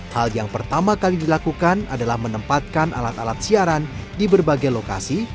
hal yang pertama kali dilakukan adalah menempatkan alat alat siaran di berbagai lokasi